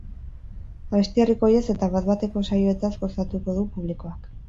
Abesti herrikoiez eta bat-bateko saioetaz gozatuko du publikoak.